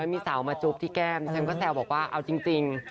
มีสาวมาจุ๊บที่แก้มฉันก็แซวบอกว่าเอาจริง